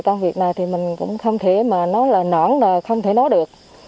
công việc này thì mình cũng không thể mà nói là nõn là không thể nói được